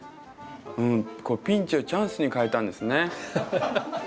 うんこうピンチをチャンスに変えたんですね。